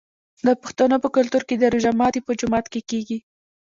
د پښتنو په کلتور کې د روژې ماتی په جومات کې کیږي.